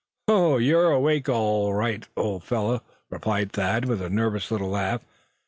"You're awake, all right, old fellow," replied Thad, with a nervous little laugh.